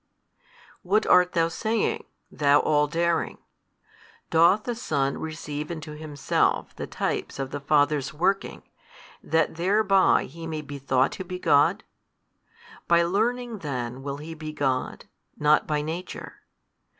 What art thou saying, thou all daring? doth the Son receive into Himself the types of the Father's Working, that thereby He may be thought to be God? By learning then will He be God, not by Nature.